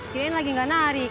kirain lagi gak narik